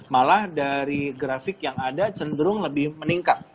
malah dari grafik yang ada cenderung lebih meningkat